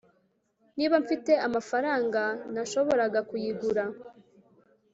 Niba mfite amafaranga nashoboraga kuyigura